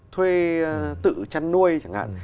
thuê tự chăn nuôi chẳng hạn